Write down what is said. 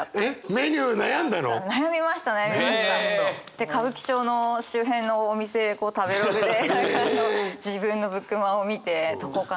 で歌舞伎町の周辺のお店こう食べログで自分のブクマを見てどこかな。